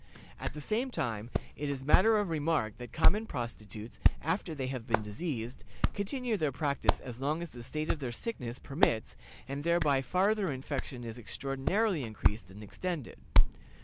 "At the same time, it is matter of remark that common prostitutes, after they have been diseased, continue their practices as long as the state of their sickness permits, and thereby farther infection is extraordinarily increased and extended.